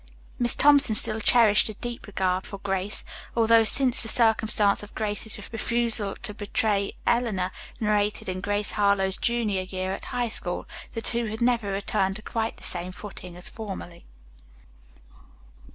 Miss Thompson still cherished a deep regard for Grace, although, since the circumstance of Grace's refusal to betray Eleanor, narrated in "Grace Harlowe's Junior Year at High School," the two had never returned to quite the same footing as formerly.